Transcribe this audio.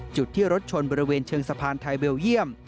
จุดที่รถชนบริเวณเชิงสะพานไทยเบลเยี่ยม